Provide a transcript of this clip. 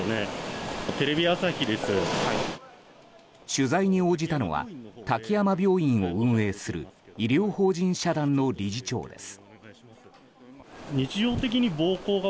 取材に応じたのは滝山病院を運営する医療法人社団の理事長です。